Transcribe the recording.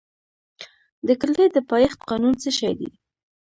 د کتلې د پایښت قانون څه شی دی؟